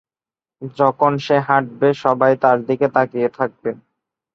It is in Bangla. যখন সে হাঁটবে সবাই তার দিকে তাকিয়ে থাকবে।